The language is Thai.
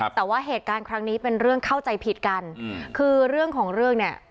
แต่ว่าเหตุการณ์ครั้งนี้เป็นเรื่องเข้าใจผิดกันคือเรื่องของเรื่องเนี่ย